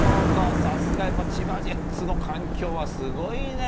さすがやっぱり千葉ジェッツの環境はすごいね！